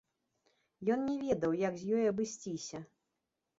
Ён не ведаў, як з ёй абысціся.